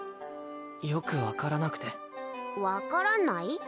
よく分からなくて分からない？